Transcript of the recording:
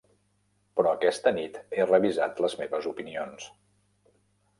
Però aquesta nit he revisat les meves opinions.